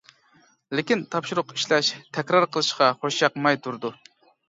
لېكىن تاپشۇرۇق ئىشلەش، تەكرار قىلىشقا خۇشياقماي تۇرىدۇ.